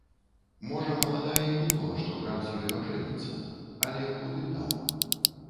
Можа, маладая і думала, што граф з ёю ажэніцца, але куды там.